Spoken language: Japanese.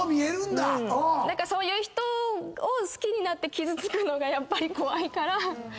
そういう人を好きになって傷つくのがやっぱり怖いから。